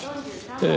ええ。